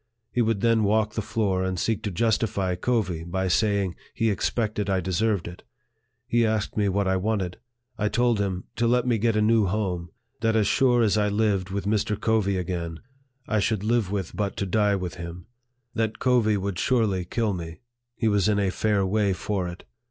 He would then walk the floor, and seek to justify Covey by saying he expected I deserved it. He asked me what I wanted. I told him, to let me get a new home ; that as sure as I lived with Mr. Covey again, I should live with but to die with him ; that Covey would surely kill me ; he was in a fair way for it.